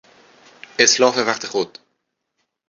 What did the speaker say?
اتلاف وقت خود